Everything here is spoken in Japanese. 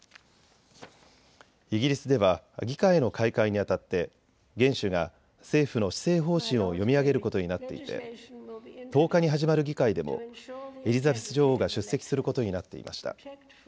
イギリスでは議会の開会にあたって元首が政府の施政方針を読み上げることになっていて１０日に始まる議会でもエリザベス女王が出席することになっていました。